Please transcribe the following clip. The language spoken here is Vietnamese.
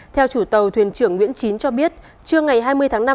theo chủ tàu thuyền trưởng nguyễn chín cho biết trưa ngày hai mươi tháng năm